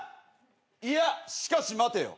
いやしかし待てよ。